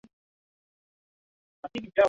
waliokuwa bila kazi bila nyumba na bila mapato